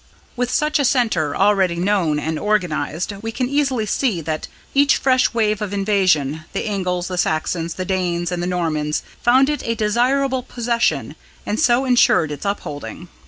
"With such a centre, already known and organised, we can easily see that each fresh wave of invasion the Angles, the Saxons, the Danes, and the Normans found it a desirable possession and so ensured its upholding.